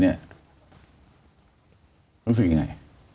รู้สึกยังไง